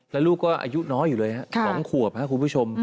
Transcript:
แล้วลูกก็อายุน้อยอยู่เลยฮะ๒ขวบครับคุณผู้ชม